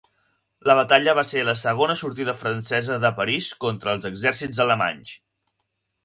La batalla va ser la segona sortida francesa de París contra els exèrcits alemanys.